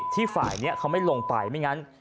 ฝ่ายนี้เขาไม่ลงไปไม่งั้น